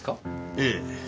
ええ。